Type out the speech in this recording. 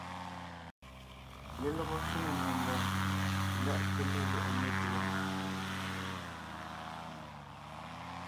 Lelɔgɔ shwòŋo ngiembɔɔn ndaʼte melyɛ̌ʼɛ metʉ̌a.